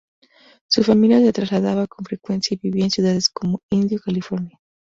Su familia se trasladaba con frecuencia y vivió en ciudades como Indio, California.